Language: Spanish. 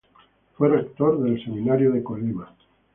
Fue rector del Seminario de Colima.